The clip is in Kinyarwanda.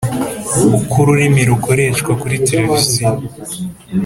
Uko ururimi rukoreshwa kuri televiziyo